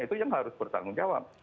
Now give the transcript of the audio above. itu yang harus bertanggung jawab